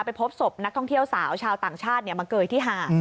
พบศพนักท่องเที่ยวสาวชาวต่างชาติมาเกยที่หาด